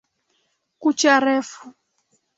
Kucha refu.